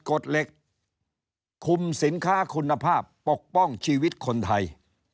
กฎเหล็กคุมสินค้าคุณภาพปกป้องชีวิตคนไทย